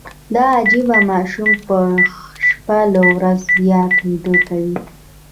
دا عجیب ماشوم په شپه له ورځ زیاته وده کوي.